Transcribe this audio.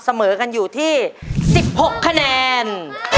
เสมอกันอยู่ที่๑๖คะแนน